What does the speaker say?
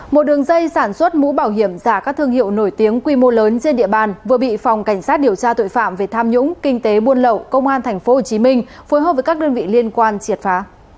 một đường dây sản xuất mũ bảo hiểm giả các thương hiệu nổi tiếng quy mô lớn trên địa bàn vừa bị phòng cảnh sát điều tra tội phạm về tham nhũng kinh tế buôn lậu công an tp hcm phối hợp với các đơn vị liên quan triệt phá